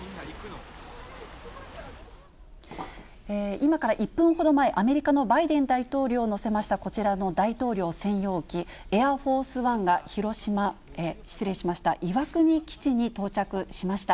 今から１分ほど前、アメリカのバイデン大統領を乗せましたこちらの大統領専用機、エアフォースワンが岩国基地に到着しました。